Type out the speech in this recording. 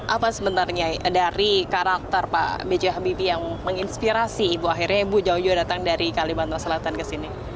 apa sebenarnya dari karakter pak b j habibie yang menginspirasi ibu akhirnya ibu jauh jauh datang dari kalimantan selatan ke sini